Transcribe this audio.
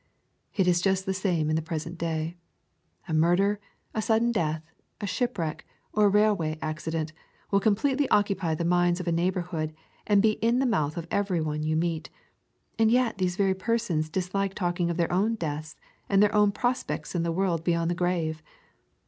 It is just the same in the present day. A murder, — a sudden death, — ^a shipwreck, or a railway accident, will completely occupy the minds of a neighborhood, and be in the mouth of every one you meet. And yet these very persons dislike talking of their own deaths, and their own prospects in the world beyond the grave.